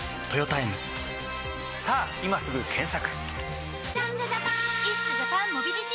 さぁ今すぐ検索！